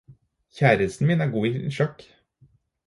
Kjæresten min er god i sjakk.